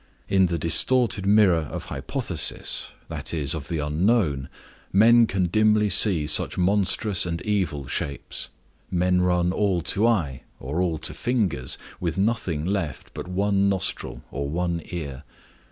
In the distorted mirror of hypothesis, that is, of the unknown, men can dimly see such monstrous and evil shapes; men run all to eye, or all to fingers, with nothing left but one nostril or one ear.